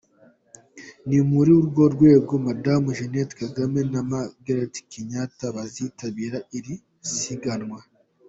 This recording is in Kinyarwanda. Ni muri urwo rwego Madamu Jeannette Kagame na Margaret Kenyatta bazitabira iri siganwa.